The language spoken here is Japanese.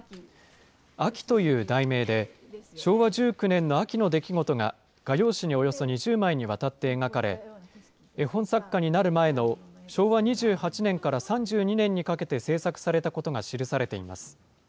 秋という題名で、昭和１９年の秋の出来事が、画用紙におよそ２０枚にわたって描かれ、絵本作家になる前の昭和２８年から３２年にかけて制作されたことが記されています。